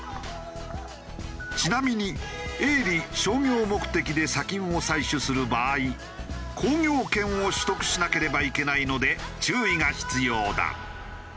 ちなみに営利・商業目的で砂金を採取する場合鉱業権を取得しなければいけないので注意が必要だ。